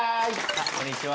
こんにちは。